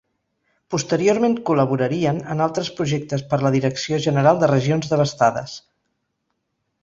Posteriorment col·laborarien en altres projectes per la Direcció general de Regions Devastades.